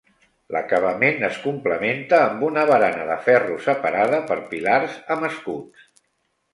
L'acabament es complementa amb una barana de ferro separada per pilars amb escuts.